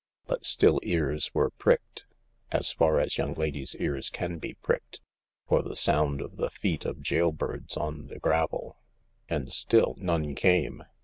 But still ears were pricked^ as far as young ladies' ears can be pricked— for the sound of the feet of jailbirds on the gravel. And still none came.